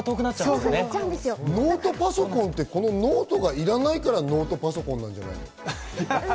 ノートパソコンって、このノートがいらないからノートパソコンなんじゃないの？